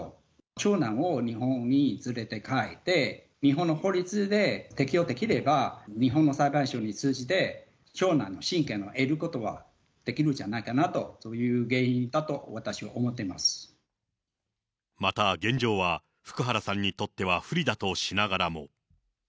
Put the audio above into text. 長男を日本に連れて帰って、日本の法律で適用できれば、日本の裁判所に通じて、長男の親権を得ることはできるんじゃないかなと、そういう原因だまた、現状は福原さんにとっては不利だとしながらも。